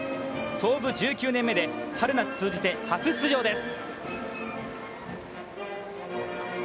創部１９年目で春夏通じて初出場です。